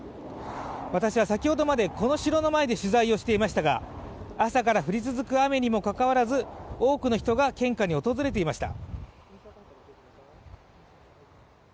私は先ほどまでこの城の前で取材をしていましたが、朝から降り続く雨にもかかわらず、多くの人が献花に訪れていました。